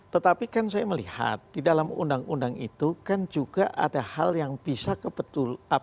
tetapi kan saya melihat di dalam undang undang itu kan juga ada hal yang bisa kebetulan